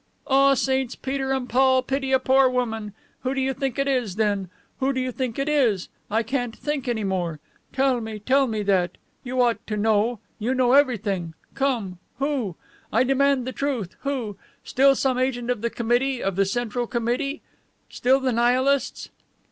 "Ah, Saints Peter and Paul pity a poor woman. Who do you think it is, then? Who do you think it is? I can't think any more. Tell me, tell me that. You ought to know you know everything. Come who? I demand the truth. Who? Still some agent of the Committee, of the Central Committee? Still the Nihilists?"